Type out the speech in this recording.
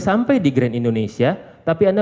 sampai di grand indonesia tapi anda